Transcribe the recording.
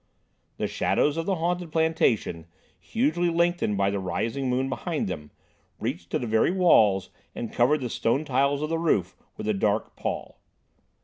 The shadows of the haunted plantation, hugely lengthened by the rising moon behind them, reached to the very walls and covered the stone tiles of the roof with a dark pall.